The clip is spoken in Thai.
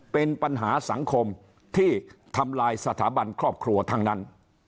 เป็นปัญหาสังคมที่ทำลายสถาบันครอบครัวทั้งนั้น